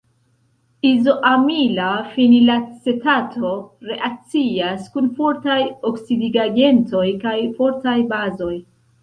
Izoamila fenilacetato reakcias kun fortaj oksidigagentoj kaj fortaj bazoj.